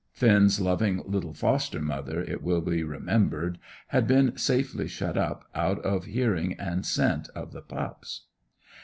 (Finn's loving little foster mother, it will be remembered, had been safely shut up, out of hearing and scent of the pups.)